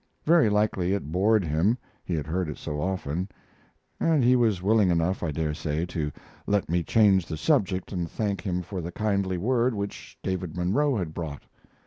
Very likely it bored him he had heard it so often and he was willing enough, I dare say, to let me change the subject and thank him for the kindly word which David Munro had brought.